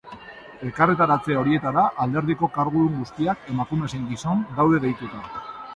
Elkarretaratze horietara alderdiko kargudun guztiak, emakume zein gizon, daude deituta.